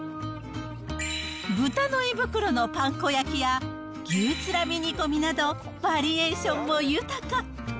豚の胃袋のパン粉焼きや、牛ツラミ煮込みなど、バリエーションも豊か。